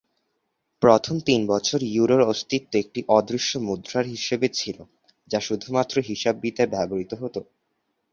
প্রথম তিন বছর ইউরোর অস্তিত্ব একটি অদৃশ্য মুদ্রার হিসেবে ছিল, যা শুধুমাত্র হিসাববিদ্যায় ব্যবহৃত হত।